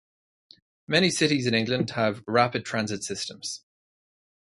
Many cities in England have rapid transit systems.